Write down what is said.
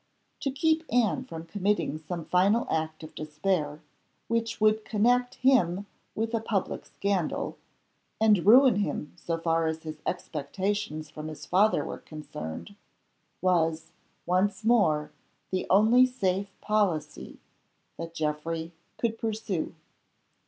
To keep Anne from committing some final act of despair, which would connect him with a public scandal, and ruin him so far as his expectations from his father were concerned, was, once more, the only safe policy that Geoffrey could pursue.